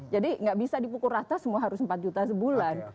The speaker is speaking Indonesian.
jadi gak bisa dipukul rata semua harus empat juta sebulan